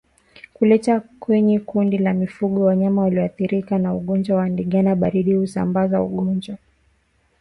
Kuleta kwenye kundi la mifugo wanyama waliothirika na ugonjwa wa ndigana baridi husamabaza ugonjwa